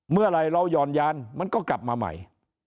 เมื่อไหร่เราหย่อนยานมันก็กลับมาใหม่